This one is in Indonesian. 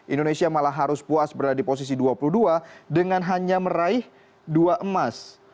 indonesia malah harus puas berada di posisi dua puluh dua dengan hanya meraih dua emas